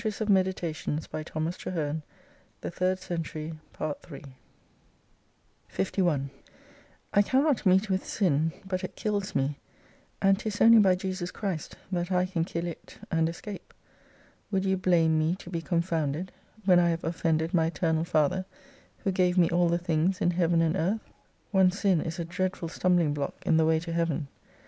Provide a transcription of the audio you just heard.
His blood, thy bane, my balsam, bliss, joy, wine, Shall thee destroy ; heal, feed, make me divine 198 51 I cannot meet with Sin, but it kills me, and 'tis only by Jesus Christ that I can kill it, and escape. Would you blame me to be confounded, when I have offended my Eternal Father, who gave me all the things in Heaven and Earth ? One sin is a dreadful stumbling block in the way to heaven.